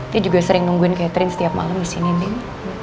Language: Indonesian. dia juga sering menunggu catherine setiap malam di sini nin